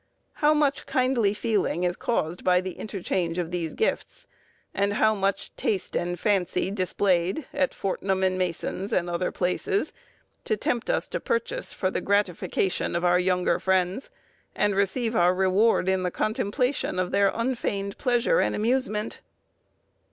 How much kindly feeling is caused by the interchange of these gifts, and how much taste and fancy displayed at Fortnum and Mason's, and other places, to tempt us to purchase for the gratification of our younger friends, and receive our reward in the contemplation of their unfeigned pleasure and amusement!